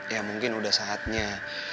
ya mungkin udah saatnya